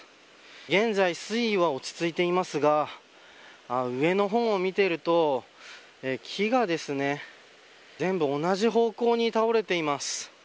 現在、水位は落ち着いていますが上の方を見ていると木が全部同じ方向に倒れています。